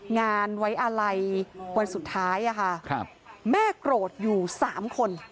งานไว้อะไรวันสุดท้ายค่ะแม่โกรธอยู่๓คน